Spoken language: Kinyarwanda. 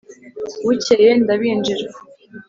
Bukeye ndabinjira